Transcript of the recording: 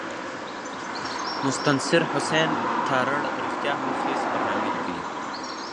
مستنصر حسین تارړ رښتیا هم ښې سفرنامې لیکلي.